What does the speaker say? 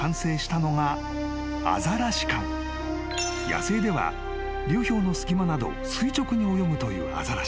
［野生では流氷の隙間などを垂直に泳ぐというアザラシ］